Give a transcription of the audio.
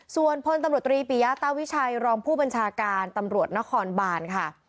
ส่วนพลตำรวจตรีปียะตาวิชัยรองผู้บัญชาการตำรวจนครบานค่ะ